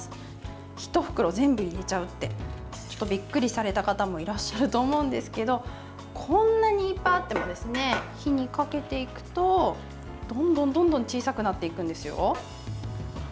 ひと袋、全部入れちゃうってびっくりされた方もいらっしゃると思うんですけどこんなにいっぱいあっても火にかけていくと、どんどん小さくなっていくんですよ。